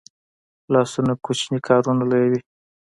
لاسونه کوچني کارونه لویوي